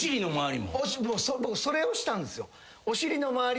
僕それをしたんですよ。